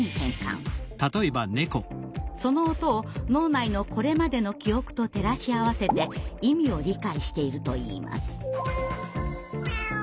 その音を脳内のこれまでの記憶と照らし合わせて意味を理解しているといいます。